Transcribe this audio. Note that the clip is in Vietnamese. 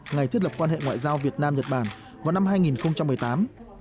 ngày thiết lập quan hệ ngoại giao việt nam nhật bản vào năm hai nghìn một mươi tám